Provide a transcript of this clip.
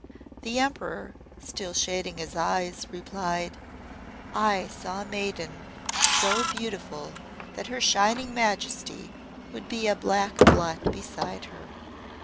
The Emperor, still shading his eyes, replied; "I saw a maiden so beautiful that her Shining Majesty would be a black blot beside her.